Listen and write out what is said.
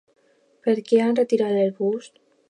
Per què han retirat el bust?